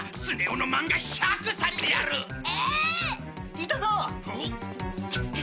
いたぞ！